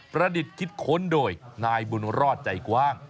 ประดิษฐ์คิดค้นโดยนายบุญรอดใจกว้าง